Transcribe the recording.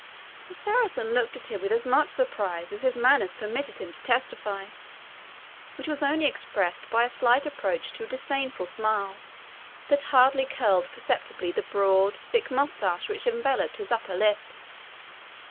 The Saracen looked at him with as much surprise as his manners permitted him to testify, which was only expressed by a slight approach to a disdainful smile, that hardly curled perceptibly the broad, thick moustache which enveloped his upper lip.